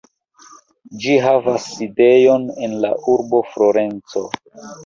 Ĝi havas sidejon en la urbo Florenco.